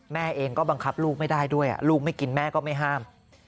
แม่เองก็บังคับลูกไม่ได้ด้วยลูกไม่กินแม่ก็ไม่ห้าม